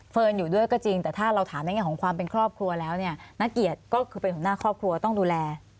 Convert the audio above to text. อยู่ด้วยก็จริงแต่ถ้าเราถามในแง่ของความเป็นครอบครัวแล้วเนี่ยนักเกียรติก็คือเป็นหัวหน้าครอบครัวต้องดูแล